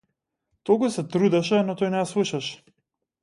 Толку се трудеше, но тој не ја слушаше.